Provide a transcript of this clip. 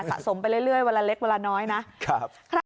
สะสมไปเรื่อยเรื่อยเวลาเล็กเวลาน้อยนะครับ